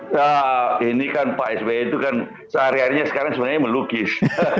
nah ini kan pak sby itu kan sehari harinya sekarang sebenarnya melukis